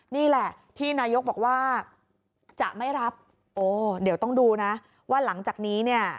นี่แหละที่นายกบอกว่าจะไม่รับโอ้เดี๋ยวต้องดูนะว่าหลังจากนี้เนี่ย